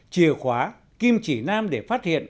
chìa khóa kim chỉ nam để phát hiện